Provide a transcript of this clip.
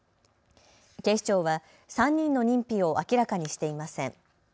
警視庁は３人の認否を明らかにしていません。